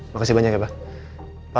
makasih banyak ya pak